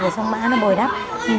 xa về sông mã nó bồi đắp